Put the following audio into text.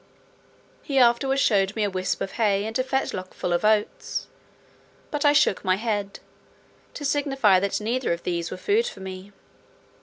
He afterwards showed me a wisp of hay, and a fetlock full of oats; but I shook my head, to signify that neither of these were food for me.